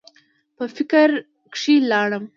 پۀ فکر کښې لاړم ـ